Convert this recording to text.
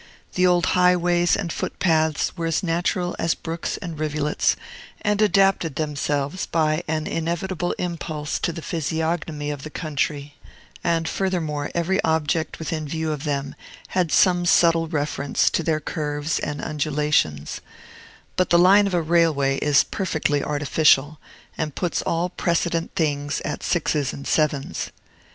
The old highways and foot paths were as natural as brooks and rivulets, and adapted themselves by an inevitable impulse to the physiognomy of the country; and, furthermore, every object within view of them had some subtile reference to their curves and undulations; but the line of a railway is perfectly artificial, and puts all precedent things at sixes and sevens.